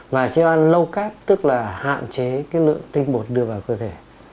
và chế độ ăn low carb tức là hạn chế lượng tinh bột đưa vào cơ thể